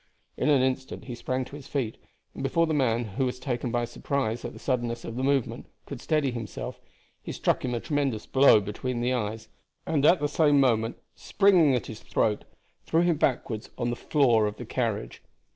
In an instant he sprang to his feet, and before the man, who was taken by surprise at the suddenness of the movement, could steady himself, he struck him a tremendous blow between the eyes, and at the same moment, springing at his throat, threw him backward on to the floor of the carriage.